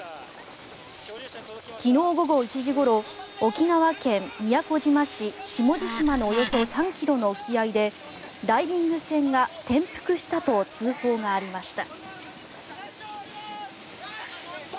昨日午後１時ごろ沖縄県宮古島市・下地島のおよそ３ｋｍの沖合でダイビング船が転覆したと通報がありました。